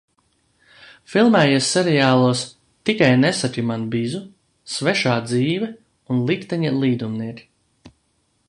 "Filmējies seriālos "Tikai nesaki man Bizu", "Svešā dzīve" un "Likteņa līdumnieki"."